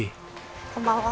こんばんは。